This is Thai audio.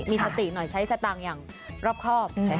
มีสติหน่อยใช้สตางค์อย่างรอบครอบ